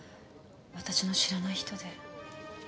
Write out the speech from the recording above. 私の知らない人で。